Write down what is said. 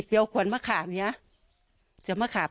ภรรยาก็บอกว่านายเทวีอ้างว่าไม่จริงนายทองม่วนขโมย